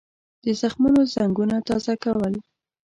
د زخمونو زنګونه تازه کول.